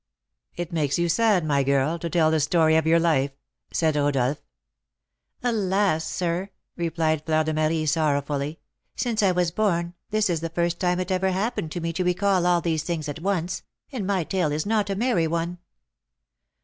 "It makes you sad, my girl, to tell the story of your life," said Rodolph. "Alas! sir," replied Fleur de Marie, sorrowfully, "since I was born this is the first time it ever happened to me to recall all these things at once, and my tale is not a merry one."